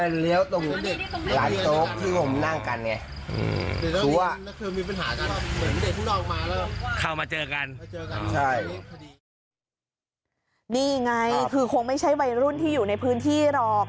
นี่ไงคือคงไม่ใช่วัยรุ่นที่อยู่ในพื้นที่หรอก